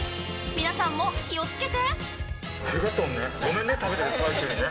皆さんも気を付けて！